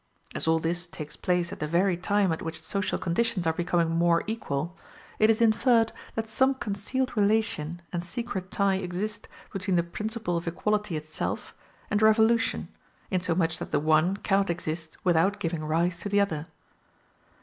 As all this takes place at the very time at which social conditions are becoming more equal, it is inferred that some concealed relation and secret tie exist between the principle of equality itself and revolution, insomuch that the one cannot exist without giving rise to the other.